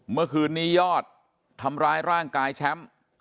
เมื่อคืนนี้ยอดทำร้ายร่างกายแชมป์